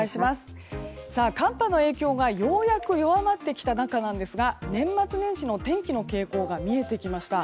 寒波の影響がようやく弱まってきた中ですが年末年始の天気の傾向が見えてきました。